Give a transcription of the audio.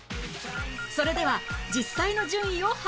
それでは実際の順位を発表